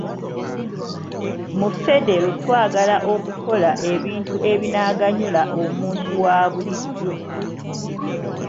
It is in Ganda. Mu Federo twagala okukola ebintu ebinaganyula omuntu wa bulijjo.